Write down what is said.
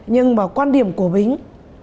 nhưng mà quan điểm của bính